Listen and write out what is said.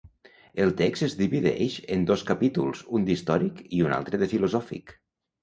El text es divideix en dos capítols, un d'històric i un altre de filosòfic.